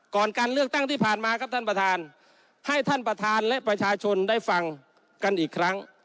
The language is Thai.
ก่อนการเลือกตั้งที่ผ่านมาครับท่านประธานให้ท่านประธานและประชาชนได้ฟังกันอีกครั้ง